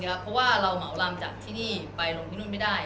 เพราะว่าเราเหมาลำจากที่นี่ไปลงที่นู่นไม่ได้